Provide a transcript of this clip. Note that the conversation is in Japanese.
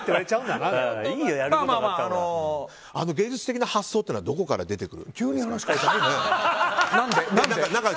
芸術的な発想というのはどこから出てくるんですか？